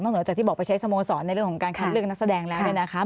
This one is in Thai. เหนือจากที่บอกไปใช้สโมสรในเรื่องของการคัดเลือกนักแสดงแล้วเนี่ยนะคะ